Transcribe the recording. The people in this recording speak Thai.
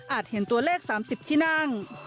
เห็นตัวเลข๓๐ที่นั่ง